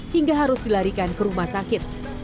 hingga harus dilarikan ke rumah sakit